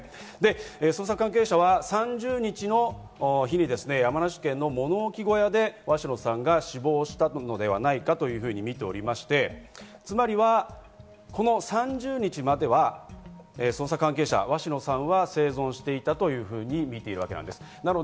捜査関係者は３０日の日に山梨県の物置小屋で鷲野さんが死亡したのではないかというふうにみておりまして、つまりこの３０日までは捜査関係者は鷲野さんは生存していたと見ているわけです。